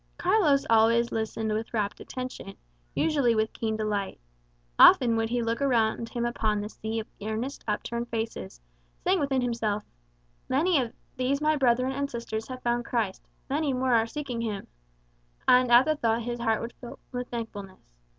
Carlos listened always with rapt attention, usually with keen delight. Often would he look around him upon the sea of earnest upturned faces, saying within himself, "Many of these my brethren and sisters have found Christ many more are seeking him;" and at the thought his heart would thrill with thankfulness.